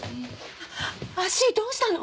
足どうしたの？